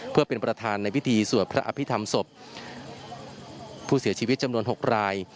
เพื่อเป็นประธานในพิธีสวดพระอภิษฐรรมศพผู้เสียชีวิตจำนวน๖ราย